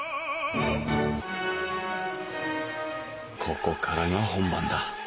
ここからが本番だ。